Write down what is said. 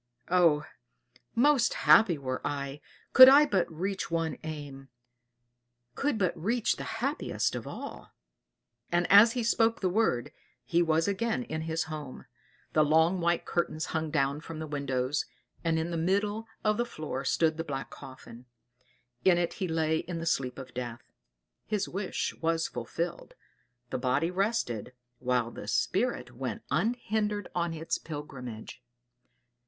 Oh! most happy were I, could I but reach one aim could but reach the happiest of all!" And as he spoke the word he was again in his home; the long white curtains hung down from the windows, and in the middle of the floor stood the black coffin; in it he lay in the sleep of death. His wish was fulfilled the body rested, while the spirit went unhindered on its pilgrimage.